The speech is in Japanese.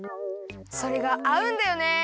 それがあうんだよね！